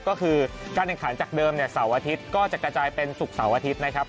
ก็คือการแข่งขันจากเดิมเสาร์อาทิตย์ก็จะกระจายเป็นศุกร์เสาร์อาทิตย์นะครับ